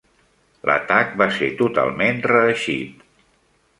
L'atac va ser totalment reeixit.